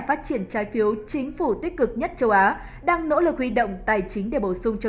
phát triển trái phiếu chính phủ tích cực nhất châu á đang nỗ lực huy động tài chính để bổ sung cho